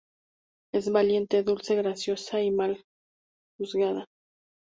Es valiente, dulce, graciosa y mal juzgada.